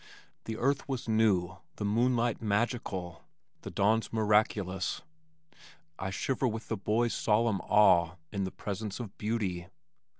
The earth was new, the moonlight magical, the dawns miraculous. I shiver with the boy's solemn awe in the presence of beauty.